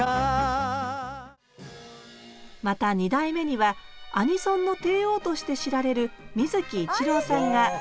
また２代目にはアニソンの帝王として知られる水木一郎さんがアニキ！